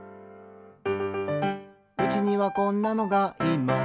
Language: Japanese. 「うちにはこんなのがいます」